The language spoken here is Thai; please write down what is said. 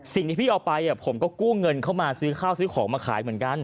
สิ่งที่พี่เอาไปผมก็กู้เงินเข้ามาซื้อข้าวซื้อของมาขายเหมือนกัน